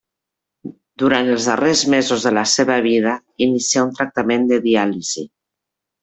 Durant els darrers mesos de la seva vida inicià un tractament de diàlisi.